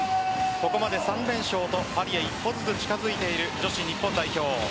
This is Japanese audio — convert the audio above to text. ここまで３連勝とパリへ一歩ずつ近づいている女子日本代表。